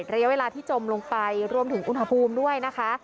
ระยะเวลาที่จมลงไปรวมถึงอุณหภูมิด้วยนะคะ